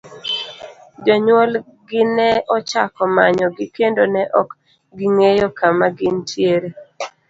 Jonyuol gi ne ochako manyo gi kendo ne ok ging'eyo kama gintiere.